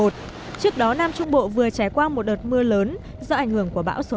trước đó nam trung bộ vừa trải qua một đợt mưa lớn do ảnh hưởng của bão số năm